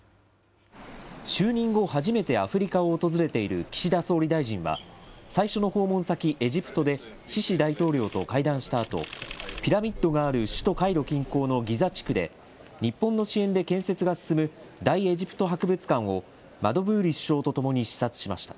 就任後、初めてアフリカを訪れている岸田総理大臣は、最初の訪問先、エジプトでシシ大統領と会談したあと、ピラミッドがある首都カイロ近郊のギザ地区で、日本の支援で建設が進む大エジプト博物館を、マドブーリ首相と共に視察しました。